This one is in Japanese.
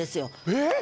えっ⁉